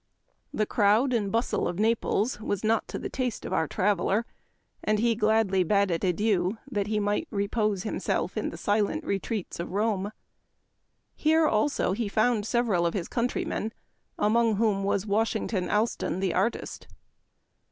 The crowd and bustle of Naples was not to the taste of our traveler, and he gladly bade it adieu that he might " repose himself in the silent retreats of Rome." Here, also, he found several of his countrymen, among whom was Washington Allston, the artist.